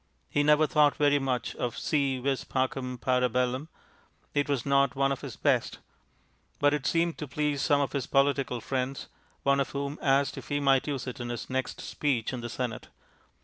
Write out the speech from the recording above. He never thought very much of Si vis pacem, para bellum; it was not one of his best; but it seemed to please some of his political friends, one of whom asked if he might use it in his next speech in the Senate.